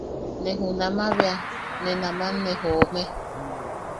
Ne junama bea... ne naman ne joome.